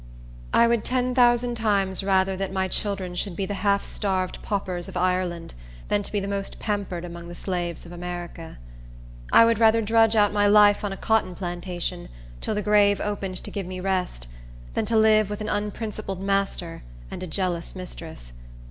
I would ten thousand times rather that my children should be the half starved paupers of Ireland than to be the most pampered among the slaves of America. I would rather drudge out my life on a cotton plantation, till the grave opened to give me rest, than to live with an unprincipled master and a jealous mistress.